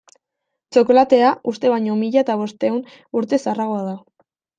Txokolatea uste baino mila eta bostehun urte zaharragoa da.